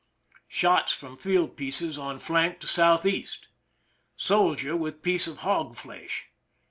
Shots from field pieces on flank to S. E. Soldier with piece of hog flesh.